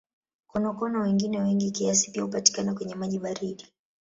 Konokono wengine wengi kiasi pia hupatikana kwenye maji baridi.